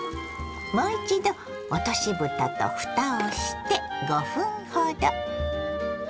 もう一度落としぶたとふたをして５分ほど。